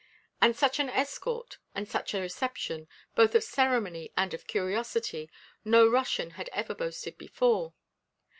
And such an escort and such a reception, both of ceremony and of curiosity, no Russian had ever boasted before.